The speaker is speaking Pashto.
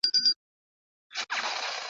زه به راځمه خامخا راځمه ,